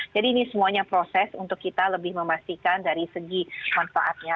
jadi ini semuanya proses untuk kita lebih memastikan dari segi manfaatnya